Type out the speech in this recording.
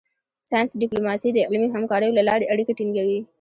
ساینس ډیپلوماسي د علمي همکاریو له لارې اړیکې ټینګوي